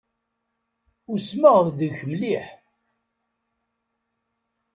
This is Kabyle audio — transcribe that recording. Usmeɣ deg-k mliḥ